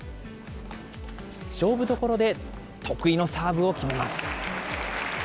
勝負どころで得意のサーブを決めます。